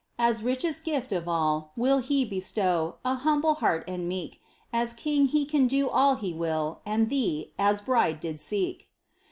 As richest gift of all, will He bestow A humble heart and meek — As King He can do all He will, and thee As bride did seek